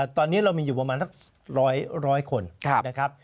ตอนนี้เรามีอยู่ประมาณสัก๑๐๐คนนะครับ